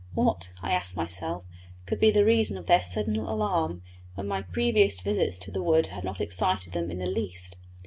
What, I asked myself, could be the reason of their sudden alarm, when my previous visits to the wood had not excited them in the least?